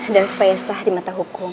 dan supaya sah di mata hukum